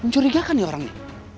mencurigakan nih orang ini